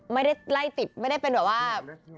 ไม่ได้ไล่ติดไม่ได้เป็นแบบว่า